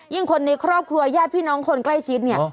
คนในครอบครัวญาติพี่น้องคนใกล้ชิดเนี่ย